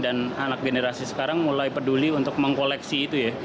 dan anak generasi sekarang mulai peduli untuk mengkoleksi itu ya